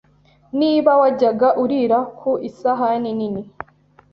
Niba wajyaga urira ku isahani nini